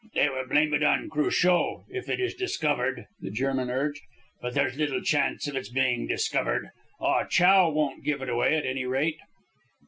"They will blame it on Cruchot if it is discovered," the German urged. "But there's little chance of its being discovered. Ah Chow won't give it away, at any rate."